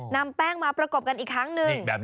นำแป้งมาประกบกันอีกครั้งหนึ่ง